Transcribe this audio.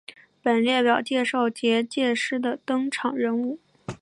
本列表介绍结界师的登场人物。